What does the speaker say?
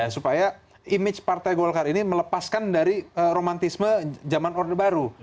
supaya image partai golkar ini melepaskan dari romantisme zaman orde baru